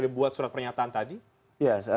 dibuat surat pernyataan tadi ya saya